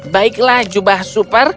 baiklah jubah super